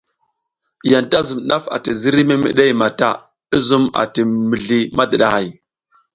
Yanta zun daf ati ziriy memede mata, i zum a ti mizli madidahay.